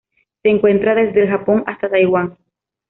Se encuentra desde el Japón hasta Taiwán.